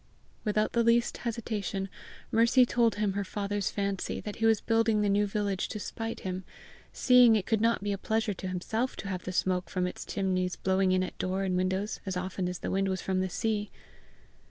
Without the least hesitation, Mercy told him her father's fancy that he was building the new village to spite him, seeing it could not be a pleasure to himself to have the smoke from its chimneys blowing in at door and windows as often as the wind was from the sea.